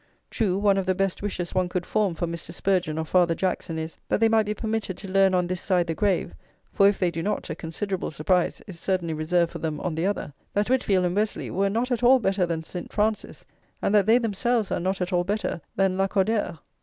True, one of the best wishes one could form for Mr. Spurgeon or Father Jackson is, that they might be permitted to learn on this side the grave (for if they do not, a considerable surprise is certainly reserved for them on the other) that Whitfield and Wesley were not at all better than St. Francis, and that they themselves are not at all better than Lacordaire.